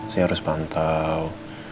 saya harus pantau